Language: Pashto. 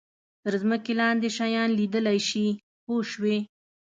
تر ځمکې لاندې شیان لیدلای شي پوه شوې!.